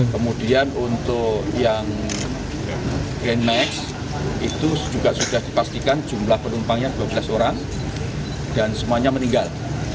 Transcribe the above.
kemudian untuk yang grand max itu juga sudah dipastikan jumlah penumpangnya dua belas orang dan semuanya meninggal